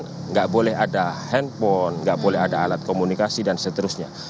tidak boleh ada handphone nggak boleh ada alat komunikasi dan seterusnya